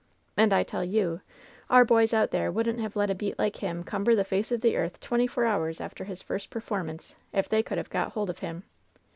And I tell you, our boys out there woudn't have let a beat like him cum ber the face of the earth twenty four hours after his first performance, if they could have got hold .of him.